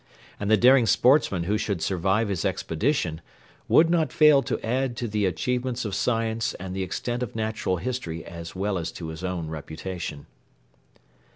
And the daring sportsman who should survive his expedition would not fail to add to the achievements of science and the extent of natural history as well as to his own reputation.